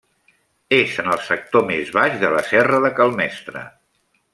És en el sector més baix de la Serra de Cal Mestre.